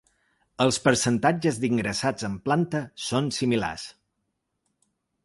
Els percentatges d’ingressats en planta són similars.